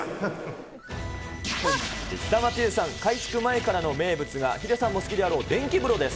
久松湯さん、改築前からの名物が、ヒデさんも好きであろう電気風呂です。